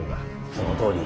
そのとおり。